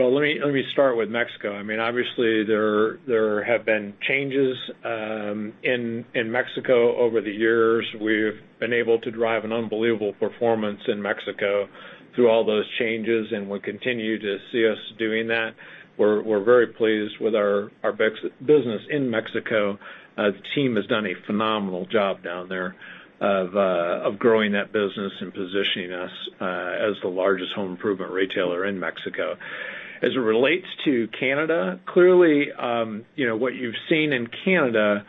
Well, let me start with Mexico. Obviously, there have been changes in Mexico over the years. We've been able to drive an unbelievable performance in Mexico through all those changes, will continue to see us doing that. We're very pleased with our business in Mexico. The team has done a phenomenal job down there of growing that business and positioning us as the largest home improvement retailer in Mexico. As it relates to Canada, clearly, what you've seen in Canada,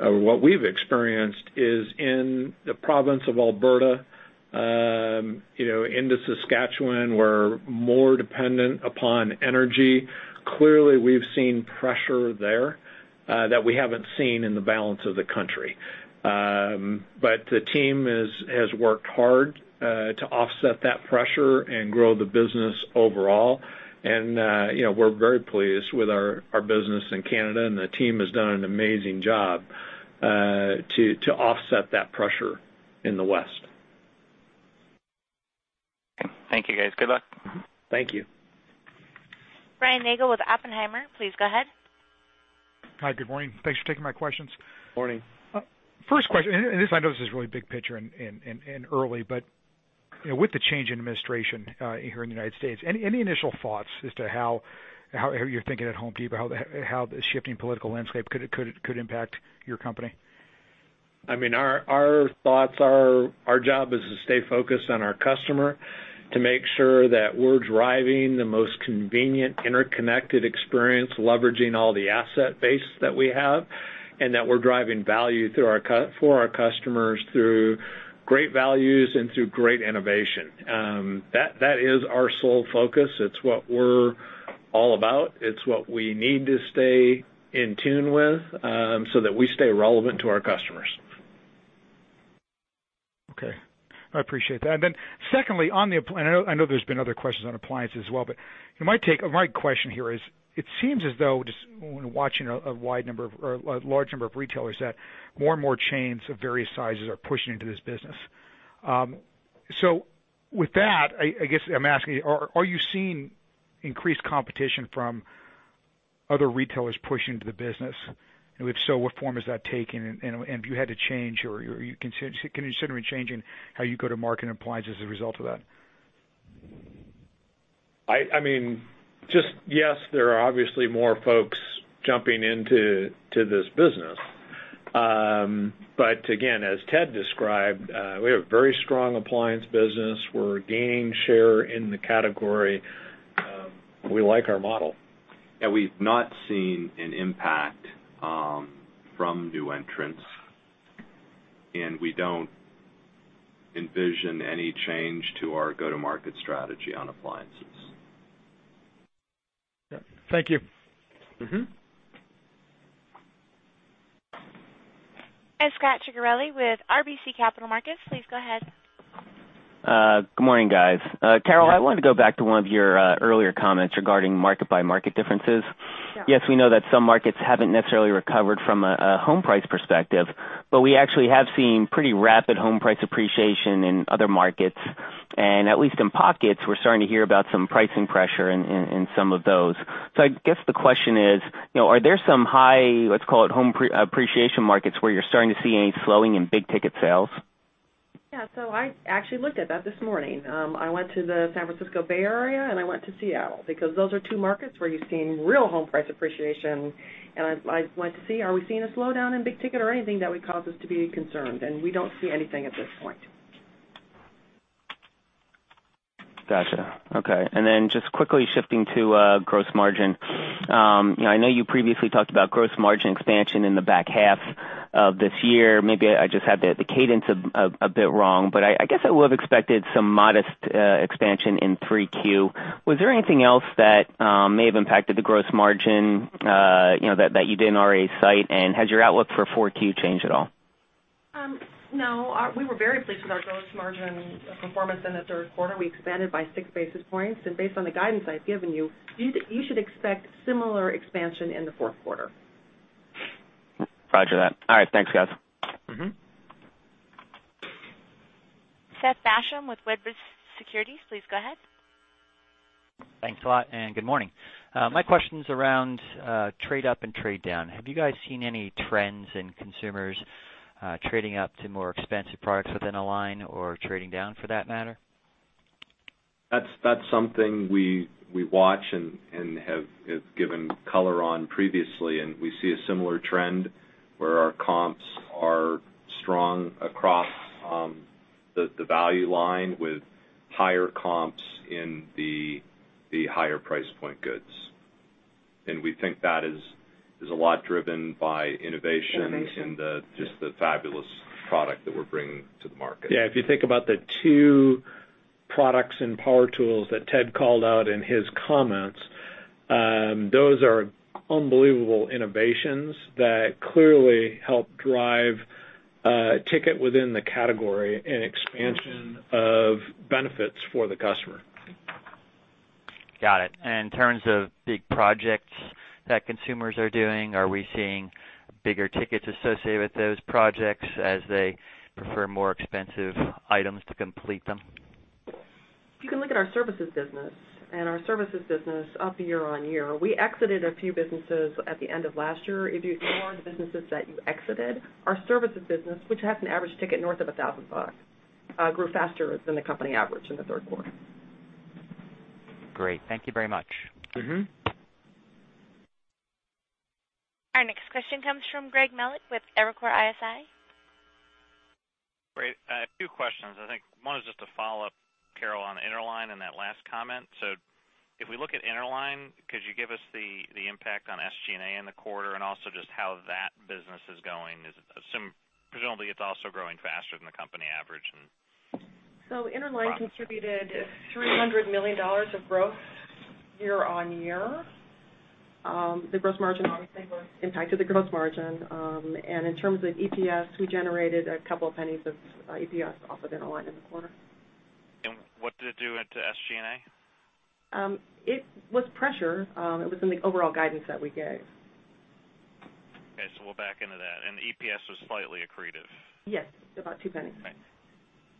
or what we've experienced is in the province of Alberta, into Saskatchewan, we're more dependent upon energy. Clearly, we've seen pressure there that we haven't seen in the balance of the country. The team has worked hard to offset that pressure and grow the business overall. We're very pleased with our business in Canada, and the team has done an amazing job to offset that pressure in the West. Okay. Thank you, guys. Good luck. Thank you. Brian Nagel with Oppenheimer, please go ahead. Hi, good morning. Thanks for taking my questions. Morning. First question, this, I know, is really big picture and early, with the change in administration here in the U.S., any initial thoughts as to how you're thinking at The Home Depot, how the shifting political landscape could impact your company? Our thoughts are, our job is to stay focused on our customer, to make sure that we're driving the most convenient, interconnected experience, leveraging all the asset base that we have, and that we're driving value for our customers through great values and through great innovation. That is our sole focus. It's what we're all about. It's what we need to stay in tune with so that we stay relevant to our customers. Okay. I appreciate that. Secondly, I know there's been other questions on appliances as well, my question here is, it seems as though, just when watching a large number of retailers, that more and more chains of various sizes are pushing into this business. With that, I guess, I'm asking you, are you seeing increased competition from other retailers pushing into the business? If so, what form is that taking? Have you had to change or are you considering changing how you go to market in appliances as a result of that? Yes, there are obviously more folks jumping into this business. Again, as Ted described, we have a very strong appliance business. We're gaining share in the category. We like our model. Yeah. We've not seen an impact from new entrants, and we don't envision any change to our go-to-market strategy on appliances. Yeah. Thank you. Scot Ciccarelli with RBC Capital Markets, please go ahead. Good morning, guys. Carol, I wanted to go back to one of your earlier comments regarding market-by-market differences. Sure. Yes, we know that some markets haven't necessarily recovered from a home price perspective, but we actually have seen pretty rapid home price appreciation in other markets, and at least in pockets, we're starting to hear about some pricing pressure in some of those. I guess the question is: Are there some high, let's call it home appreciation markets, where you're starting to see any slowing in big ticket sales? Yeah. I actually looked at that this morning. I went to the San Francisco Bay Area, and I went to Seattle, because those are two markets where you're seeing real home price appreciation, and I went to see, are we seeing a slowdown in big ticket or anything that would cause us to be concerned? We don't see anything at this point. Gotcha. Okay. Just quickly shifting to gross margin. I know you previously talked about gross margin expansion in the back half of this year. Maybe I just had the cadence a bit wrong, but I guess I would've expected some modest expansion in 3Q. Was there anything else that may have impacted the gross margin that you didn't already cite, and has your outlook for 4Q changed at all? No, we were very pleased with our gross margin performance in the third quarter. We expanded by six basis points, and based on the guidance I've given you should expect similar expansion in the fourth quarter. Roger that. All right, thanks, guys. Seth Basham with Wedbush Securities, please go ahead. Thanks a lot, and good morning. Good morning. My question's around trade up and trade down. Have you guys seen any trends in consumers trading up to more expensive products within a line or trading down for that matter? That's something we watch and have given color on previously, and we see a similar trend where our comps are strong across the value line with higher comps in the higher price point goods. We think that is a lot driven by innovation- Innovation Just the fabulous product that we're bringing to the market. Yeah, if you think about the two products in power tools that Ted called out in his comments, those are unbelievable innovations that clearly help drive ticket within the category and expansion of benefits for the customer. Got it. In terms of big projects that consumers are doing, are we seeing bigger tickets associated with those projects as they prefer more expensive items to complete them? If you can look at our services business, and our services business up year-on-year. We exited a few businesses at the end of last year. If you ignore the businesses that you exited, our services business, which has an average ticket north of $1,000, grew faster than the company average in the third quarter. Great. Thank you very much. Our next question comes from Greg Melich with Evercore ISI. Great. A few questions. I think one is just a follow-up, Carol, on Interline and that last comment. If we look at Interline, could you give us the impact on SG&A in the quarter and also just how that business is going? Presumably, it's also growing faster than the company average. Interline contributed $300 million of growth year-on-year. The gross margin, obviously, impacted the gross margin. In terms of EPS, we generated a couple of pennies of EPS off of Interline in the quarter. What did it do into SG&A? It was pressure. It was in the overall guidance that we gave. We'll back into that, and the EPS was slightly accretive. Yes. About $0.02. Right.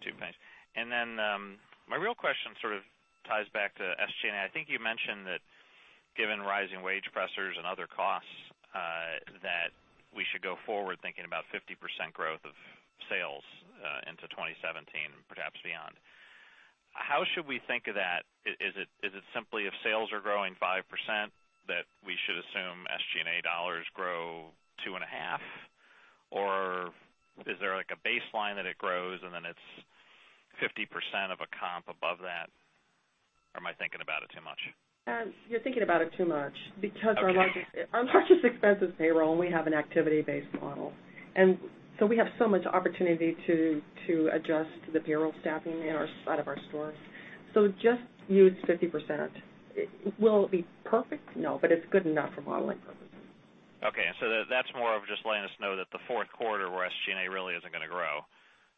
$0.02. My real question sort of ties back to SG&A. I think you mentioned that given rising wage pressures and other costs, that we should go forward thinking about 50% growth of sales into 2017, perhaps beyond. How should we think of that? Is it simply if sales are growing 5%, that we should assume SG&A dollars grow two and a half? Or is there like a baseline that it grows, and then it's 50% of a comp above that? Or am I thinking about it too much? You're thinking about it too much because Okay Our largest expense is payroll, we have an activity-based model. We have so much opportunity to adjust the payroll staffing inside of our stores. Just use 50%. Will it be perfect? No. It's good enough for modeling purposes. Okay. That's more of just letting us know that the fourth quarter, where SG&A really isn't going to grow.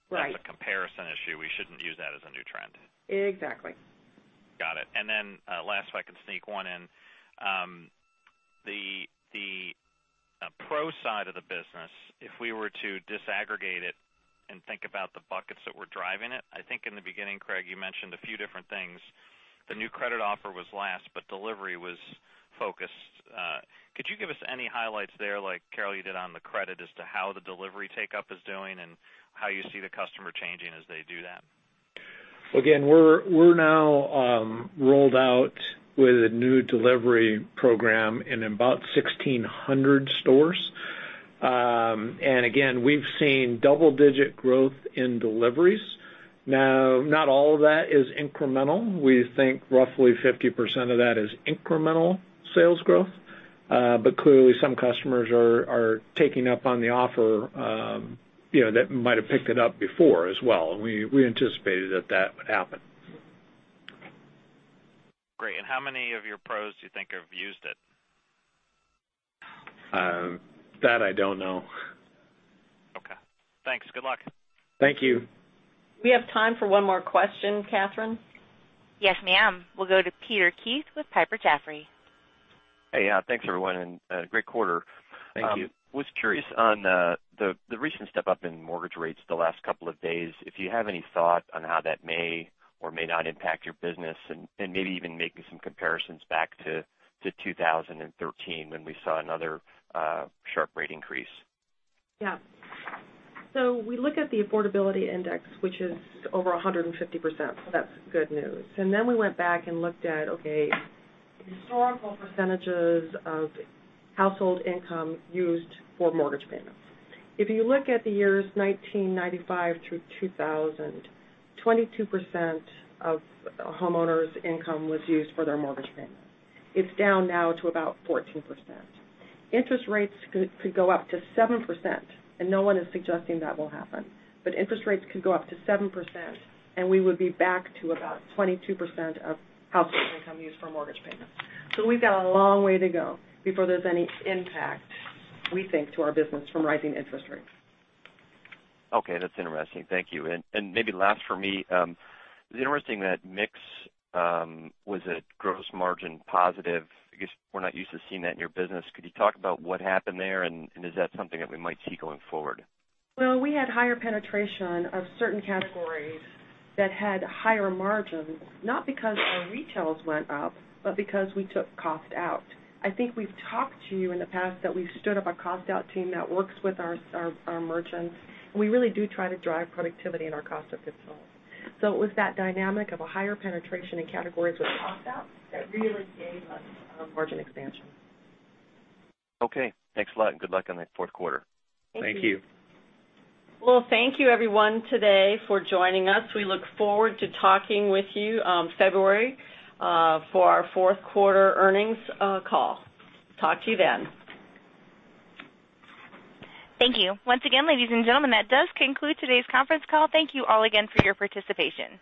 Right As a comparison issue, we shouldn't use that as a new trend. Exactly. Got it. Last, if I can sneak one in. The Pro side of the business, if we were to disaggregate it and think about the buckets that were driving it, I think in the beginning, Craig, you mentioned a few different things. The new credit offer was last, but delivery was focused. Could you give us any highlights there, like Carol, you did on the credit, as to how the delivery take-up is doing and how you see the customer changing as they do that? We're now rolled out with a new delivery program in about 1,600 stores. We've seen double-digit growth in deliveries. Not all of that is incremental. We think roughly 50% of that is incremental sales growth. Clearly, some customers are taking up on the offer that might have picked it up before as well, and we anticipated that that would happen. Okay. Great. How many of your Pros do you think have used it? That I don't know. Okay. Thanks. Good luck. Thank you. We have time for one more question, Catherine. Yes, ma'am. We'll go to Peter Keith with Piper Jaffray. Hey. Yeah. Thanks, everyone, and great quarter. Thank you. Was curious on the recent step-up in mortgage rates the last couple of days, if you have any thought on how that may or may not impact your business, and maybe even making some comparisons back to 2013 when we saw another sharp rate increase. Yeah. We look at the affordability index, which is over 150%, That's good news. We went back and looked at, okay, historical percentages of household income used for mortgage payments. If you look at the years 1995 through 2000, 22% of homeowners' income was used for their mortgage payment. It's down now to about 14%. Interest rates could go up to 7%, No one is suggesting that will happen. Interest rates could go up to 7%, We would be back to about 22% of household income used for mortgage payments. We've got a long way to go before there's any impact, we think, to our business from rising interest rates. Okay. That's interesting. Thank you. Maybe last for me, it was interesting that mix was a gross margin positive. I guess we're not used to seeing that in your business. Could you talk about what happened there, Is that something that we might see going forward? Well, we had higher penetration of certain categories that had higher margins, not because our retails went up, but because we took cost out. I think we've talked to you in the past that we've stood up a cost-out team that works with our merchants, and we really do try to drive productivity in our cost of goods sold. It was that dynamic of a higher penetration in categories with cost-out that really gave us margin expansion. Okay. Thanks a lot, and good luck on that fourth quarter. Thank you. Thank you. Well, thank you everyone today for joining us. We look forward to talking with you February for our fourth quarter earnings call. Talk to you then. Thank you. Once again, ladies and gentlemen, that does conclude today's conference call. Thank you all again for your participation.